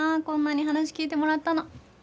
こんなに話聞いてもらったの。